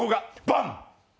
バン！